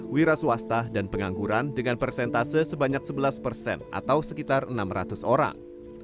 wira swasta dan pengangguran dengan persentase sebanyak sebelas persen atau sekitar enam ratus orang